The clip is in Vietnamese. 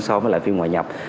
so với lại phim ngoại nhập